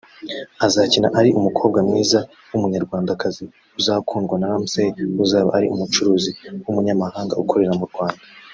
azakina ari umukobwa mwiza w’umunyarwandakazi uzakundwa na Ramsey uzaba ari umucuruzi w’umunyamahanga ukorera mu Rwanda